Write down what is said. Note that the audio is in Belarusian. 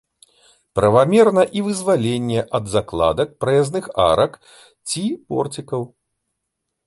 Правамерна і вызваленне ад закладак праязных арак ці порцікаў.